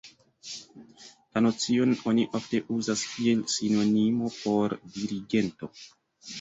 La nocion oni ofte uzas kiel sinonimo por dirigento.